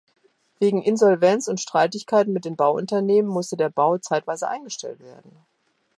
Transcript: Wegen Insolvenz und Streitigkeiten mit den Bauunternehmen musste der Bau zeitweise eingestellt werden.